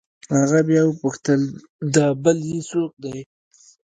هغه بيا وپوښتل دا بل يې سوک دې.